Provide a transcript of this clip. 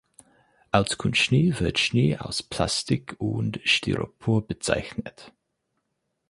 Als Kunstschnee wird Schnee aus Plastik und Styropor bezeichnet.